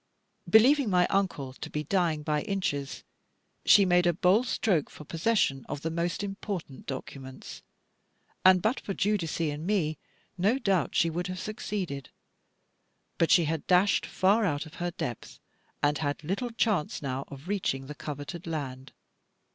Believing my Uncle to be dying by inches, she made a bold stroke for possession of the most important documents; and, but for Giudice and me, no doubt she would have succeeded. But she had dashed far out of her depth, and had little chance now of reaching the coveted land.